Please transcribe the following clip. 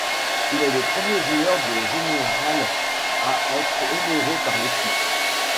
Il est le premier joueur des Generals à être honoré par l'équipe.